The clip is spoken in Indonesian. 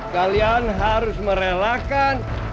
kalian harus merelakan